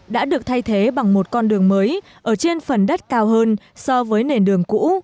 đã được thay thế bằng một con đường mới ở trên phần đất cao hơn so với nền đường cũ